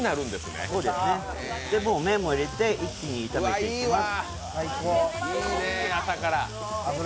もう麺も入れて、一気に炒めていきます。